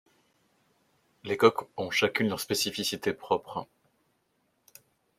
Les coques ont chacune leurs spécificités propres.